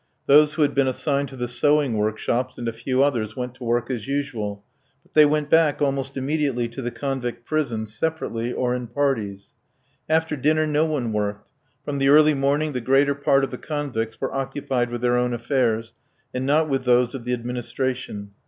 Those who had been assigned to the sewing workshops, and a few others, went to work as usual; but they went back almost immediately to the convict prison, separately, or in parties. After dinner no one worked. From the early morning the greater part of the convicts were occupied with their own affairs, and not with those of the administration.